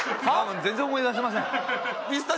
全然思い出せません。